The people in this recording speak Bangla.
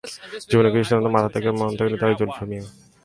জীবনের কিছু সিদ্ধান্ত মাথা থেকে না মন থেকে নিয়ে দেখেন, জুলফি মিয়া।